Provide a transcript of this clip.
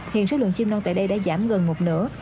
hiện số lượng chim non tại đây đã giảm gần một nửa